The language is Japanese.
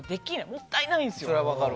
もったいないんですよ。